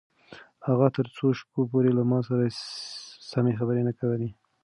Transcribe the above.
اغا تر څو شپو پورې له ما سره سمې خبرې نه کولې.